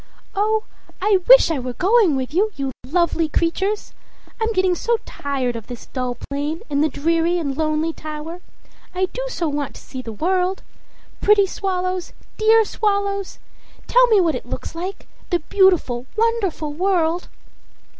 "Oh, I wish I were going with you, you lovely creatures! I'm getting so tired of this dull plain, and the dreary and lonely tower. I do so want to see the world! Pretty swallows, dear swallows! tell me what it looks like the beautiful, wonderful world!"